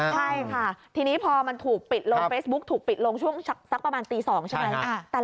ใช่ค่ะทีนี้พอมันถูกปิดลงเฟซบุ๊กถูกปิดลงช่วงสักประมาณตี๒ใช่ไหม